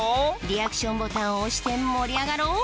リアクションボタンを押して盛り上がろう！